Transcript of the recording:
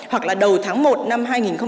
hoặc là đầu tháng một năm hai nghìn hai mươi